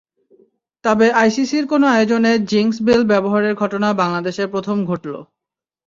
তবে আইসিসির কোনো আয়োজনে জিংস বেল ব্যবহারের ঘটনা বাংলাদেশে প্রথম ঘটল।